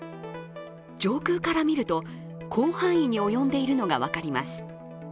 上空から見ると、広範囲に及んでいるのが分かります。